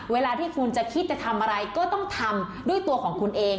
เวลาที่คุณจะคิดจะทำอะไรก็ต้องทำด้วยตัวของคุณเอง